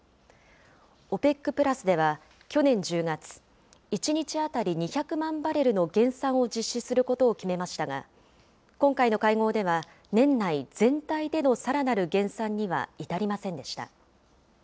ＯＰＥＣプラスでは去年１０月、１日当たり２００万バレルの減産を実施することを決めましたが、今回の会合では年内全体でのさらなる減産には至りませんでした。